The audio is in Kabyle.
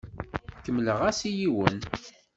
Kemmleɣ-as i yiwen.